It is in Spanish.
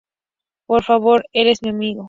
Por favor. Él es mi amigo.